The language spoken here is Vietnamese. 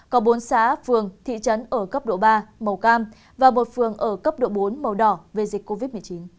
có bốn xã phường thị trấn ở cấp độ ba màu cam và một phường ở cấp độ bốn màu đỏ về dịch covid một mươi chín